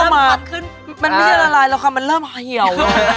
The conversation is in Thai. มันไม่ละลายแล้วค่ะมันเริ่มเหี่ยว